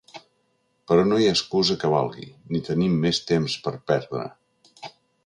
Però no hi ha excusa que valgui, ni tenim més temps per perdre.